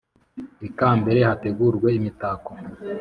ikambere hategurwe imitako